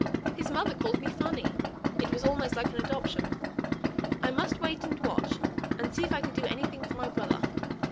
His mother called me 'Fanny;' it was almost like an adoption. I must wait and watch, and see if I can do anything for my brother."